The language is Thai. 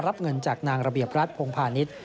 รับเงินจากนางระเบียบรัฐพงพาณิชย์